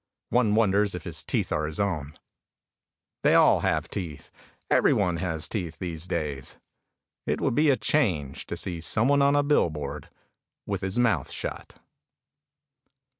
One wonders if his teeth are his own. They all have teeth. Everyone has teeth these days. It would be a change to see someone on a billboard with his mouth shut.